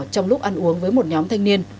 trong lúc ăn uống với một nhóm thanh niên